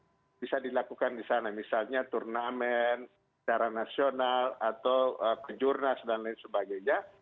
yang ada bisa dilakukan disana misalnya turnamen secara nasional atau kejurnas dan lain sebagainya